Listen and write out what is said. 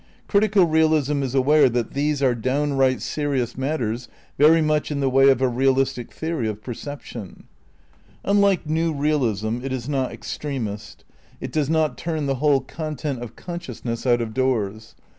Critical Realism is aware that these are downright serious matters very much in the way of a realistic theory of perception. Unlike new realism, it is not extremist. It does not ^Enquiry, p. 63. Tlie ni THE CRITICAL PREPARATIONS 115 turn the whole content of consciousness out of doors.